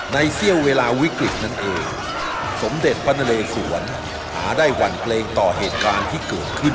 เสี้ยวเวลาวิกฤตนั่นเองสมเด็จพระนเลสวนหาได้หวั่นเกรงต่อเหตุการณ์ที่เกิดขึ้น